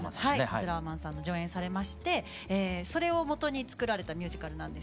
バズ・ラーマンさんの上映されましてそれをもとに作られたミュージカルなんですけれども。